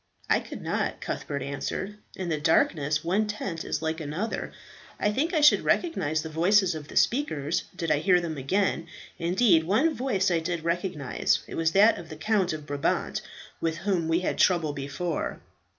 "I could not," Cuthbert answered; "in the darkness one tent is like another. I think I should recognize the voices of the speakers did I hear them again; indeed, one voice I did recognize, it was that of the Count of Brabant, with whom we had trouble before."